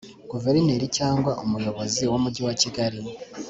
guverineri cyangwa umuyobozi w’umujyi wa kigali